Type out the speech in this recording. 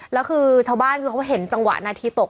แล้วคือชาวบ้านคือเขาเห็นจังหวะนาทีตก